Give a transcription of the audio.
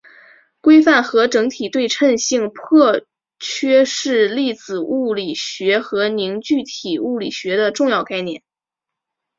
规范和整体对称性破缺是粒子物理学和凝聚体物理学的重要概念。